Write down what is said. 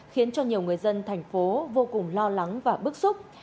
khiến cho nhiều người dân thành phố vô cùng lo lắng và bức xúc